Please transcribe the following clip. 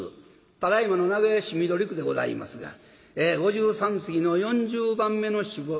ただいまの名古屋市緑区でございますが五十三次の４０番目の宿場町。